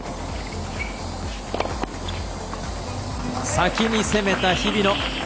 先に攻めた日比野。